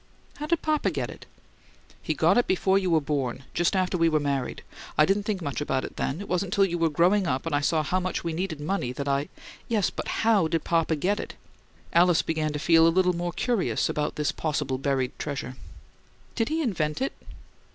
"How did papa get it?" "He got it before you were born, just after we were married. I didn't think much about it then: it wasn't till you were growing up and I saw how much we needed money that I " "Yes, but how did papa get it?" Alice began to feel a little more curious about this possible buried treasure. "Did he invent it?"